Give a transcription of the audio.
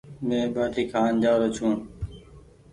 مينٚ ٻآٽي کآن جآرو ڇوٚنٚ